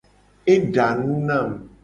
Eda nu nam.